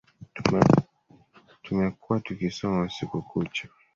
Tumekuwa tukisoma usiku kucha